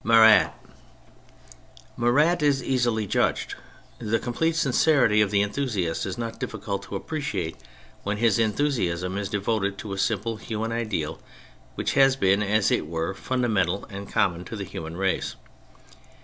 MARAT Marat is easily judged. The complete sincerity of the enthusiast is not difficult to appreciate when his enthusiasm is devoted to a simple human ideal which has been, as it were, fundamental and common to the human race.